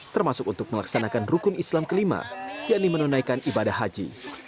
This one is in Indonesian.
termasuk untuk melaksanakan rukun islam kelima yakni menunaikan ibadah haji